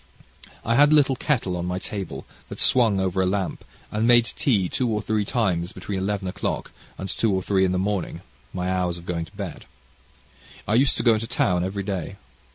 I had a little kettle on my table, that swung over a lamp, and made tea two or three times between eleven o'clock and two or three in the morning, my hours of going to bed. I used to go into town every day.